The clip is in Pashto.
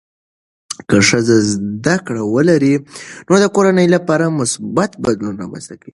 که ښځه زده کړه ولري، نو د کورنۍ لپاره مثبت بدلون رامنځته کېږي.